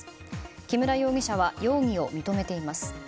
木村容疑者は容疑を認めています。